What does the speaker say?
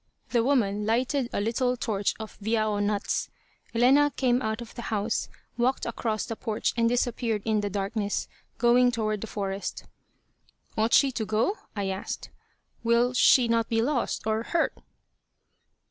The woman lighted a little torch of "viao" nuts. Elena came out of the house, walked across the porch and disappeared in the darkness, going toward the forest. "Ought she to go?" I asked. "Will she not be lost, or hurt?"